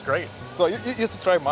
jadi coba yang saya